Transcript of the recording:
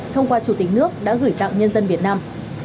thông qua chủ tịch nước đã gửi tặng nhân dân việt nam